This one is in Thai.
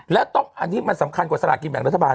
และอันนี้มันสำคัญกว่าสลากินแบ่งรัฐบาล